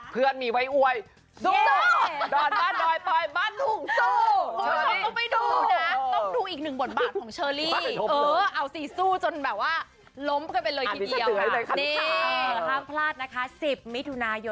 เพื่อนมีไว้อ้วย